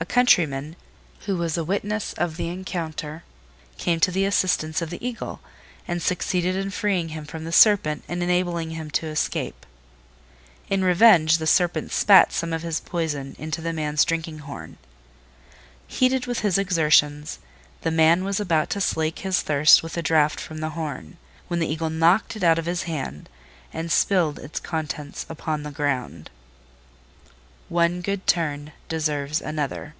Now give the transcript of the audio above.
A countryman, who was a witness of the encounter, came to the assistance of the Eagle, and succeeded in freeing him from the Serpent and enabling him to escape. In revenge the Serpent spat some of his poison into the man's drinking horn. Heated with his exertions, the man was about to slake his thirst with a draught from the horn, when the Eagle knocked it out of his hand, and spilled its contents upon the ground. One good turn deserves another.